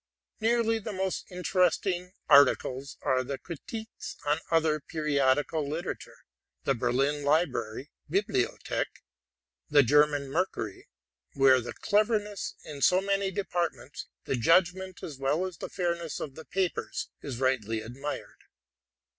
Nearly the most interesting articles are the critiques on other periodical pub lications, the '' Berlin Library ''('' Bibliothek ''), the '* Ger man Mercury,'' where the cleverness in so many departments, the judgment as well as the fairness of the papers, is rightly admired.